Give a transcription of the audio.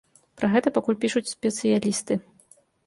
Пра гэта пакуль пішуць спецыялісты.